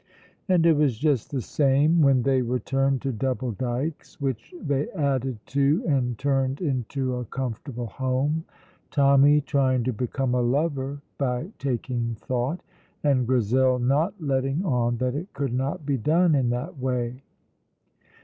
And it was just the same when they returned to Double Dykes, which they added to and turned into a comfortable home Tommy trying to become a lover by taking thought, and Grizel not letting on that it could not be done in that way.